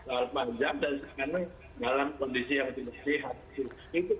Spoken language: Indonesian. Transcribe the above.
soal pajak dan karena dalam kondisi yang tidak sehat